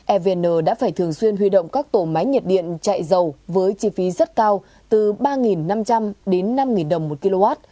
evn đã phải thường xuyên huy động các tổ máy nhiệt điện chạy dầu với chi phí rất cao từ ba năm trăm linh đến năm đồng một kw